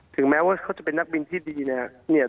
ถึงแม้ว่าเขาจะเป็นนักบินที่ดีนะครับ